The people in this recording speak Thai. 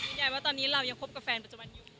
ยายว่าตอนนี้เรายังคบกับแฟนปัจจุบันอยู่